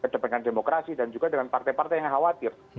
dengan demokrasi dan juga dengan partai partai yang khawatir